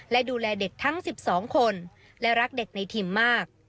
และดูแลเด็กทั้ง๑๒คนและรักเด็กในทีมมาก